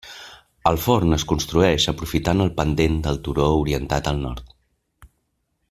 El forn es construeix aprofitant el pendent del turó orientat al nord.